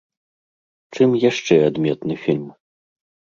Чым яшчэ адметны фільм?